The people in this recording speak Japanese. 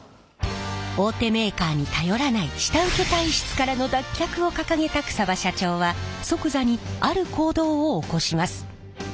大手メーカーに頼らない下請け体質からの脱却を掲げた草場社長は即座にある行動を起こします。